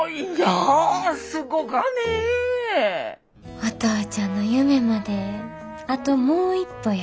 お父ちゃんの夢まであともう一歩や。